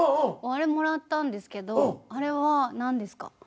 あれもらったんですけどあれは何ですか？